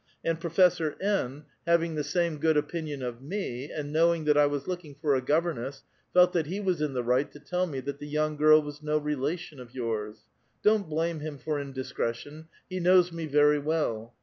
And Professor N., lOG .1 VITAL QUESTION. having the same gocnl opinion of mc, and knowing that I was looking for a goviTiioss, felt that he Wiis in the right to tell me that tiie voinig girl was no relation of vours. Dou't blame him for indiscretion ; he knows me ver}' well.